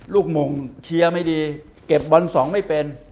ลูกหมงเคลียร์ไม่ดีเก็บบรรสองไม่เป็น